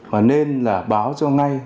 mà nên là báo cho ngay